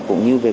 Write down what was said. cũng như về